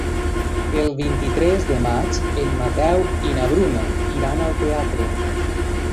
El vint-i-tres de maig en Mateu i na Bruna iran al teatre.